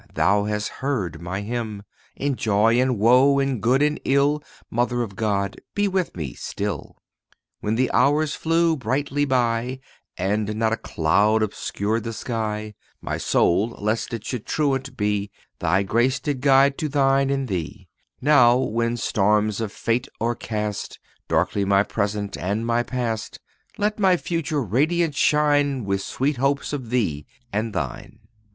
thou hast heard my hymn; In joy and woe—in good and ill— Mother of God, be with me still! When the hours flew brightly by, And not a cloud obscured the sky, My soul, lest it should truant be, Thy grace did guide to thine and thee; Now, when storms of fate o'ercast Darkly my present and my past, Let my future radiant shine, With sweet hopes of thee and thine."